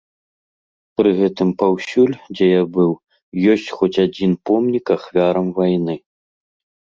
Пры гэтым паўсюль, дзе я быў, ёсць хоць адзін помнік ахвярам вайны.